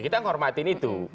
kita menghormatin itu